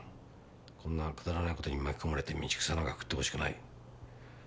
くだらない事に巻き込まれて道草なんか食ってほしくない。